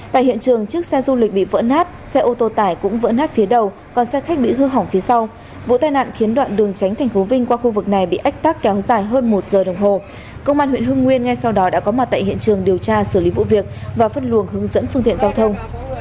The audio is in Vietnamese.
tại hiện trường chiếc xe du lịch bị vỡ nát xe ô tô tải cũng vỡ nát phía đầu còn xe khách bị hư hỏng phía sau vụ tai nạn khiến đoạn đường tránh tp vinh qua khu vực này bị ách tắc kéo dài hơn một giờ đồng hồ công an huyện hưng nguyên ngay sau đó đã có mặt tại hiện trường điều tra xử lý vụ việc và phân luồng hướng dẫn phương tiện giao thông